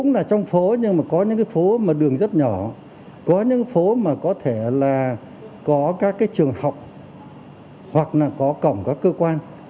nếu có những phố mà đường rất nhỏ có những phố mà có thể là có các trường học hoặc là có cổng các cơ quan